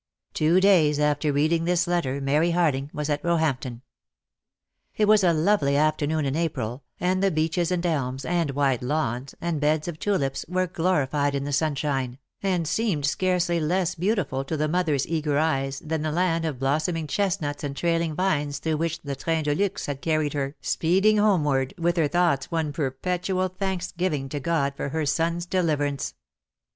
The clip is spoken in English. Two days after reading this letter Mary Harling was at Roehampton. It was a lovely afternoon in April, and the beeches and elms, and wide lawns, and beds of tulips, were glorified in the sunshine, and seemed scarcely less beautiful to the mother's eager eyes than the land of blossoming chestnuts and trailing vines through which the train de luxe had carried her, speeding homeward, with her thoughts one perpetual thanksgiving to God for her son's de liverance.